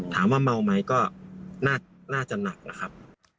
ถามว่าเมาไหมก็น่าจะหนักนะครับ